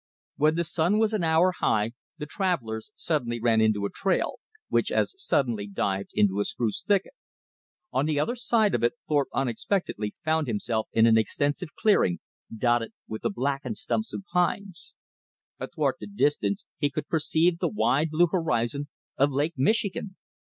When the sun was an hour high the travellers suddenly ran into a trail, which as suddenly dived into a spruce thicket. On the other side of it Thorpe unexpectedly found himself in an extensive clearing, dotted with the blackened stumps of pines. Athwart the distance he could perceive the wide blue horizon of Lake Michigan.